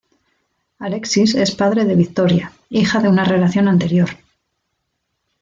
Alexis es padre de Victoria, hija de una relación anterior.